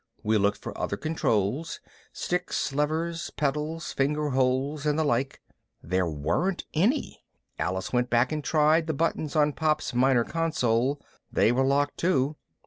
We looked for other controls sticks, levers, pedals, finger holes and the like. There weren't any. Alice went back and tried the buttons on Pop's minor console. They were locked too.